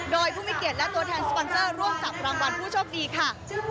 โดยผู้มีเกียรติและตัวแทนสปอนเซอร์ร่วมจับรางวัลผู้โชคดีค่ะ